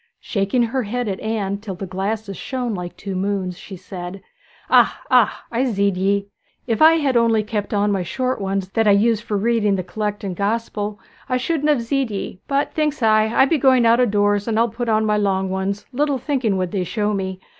Shaking her head at Anne till the glasses shone like two moons, she said, 'Ah, ah; I zeed ye! If I had only kept on my short ones that I use for reading the Collect and Gospel I shouldn't have zeed ye; but thinks I, I be going out o' doors, and I'll put on my long ones, little thinking what they'd show me.